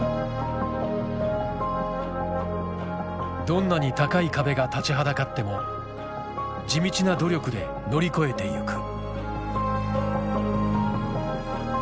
どんなに高い壁が立ちはだかっても地道な努力で乗り越えていく。